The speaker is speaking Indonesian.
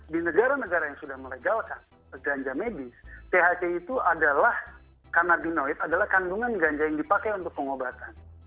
di negara negara yang sudah melegalkan ganja medis tht itu adalah karena dunoid adalah kandungan ganja yang dipakai untuk pengobatan